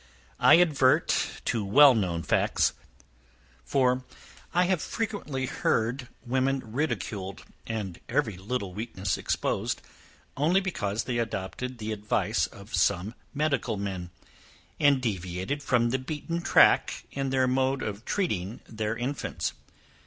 I advert to well known facts, for I have frequently heard women ridiculed, and every little weakness exposed, only because they adopted the advice of some medical men, and deviated from the beaten track in their mode of treating their infants.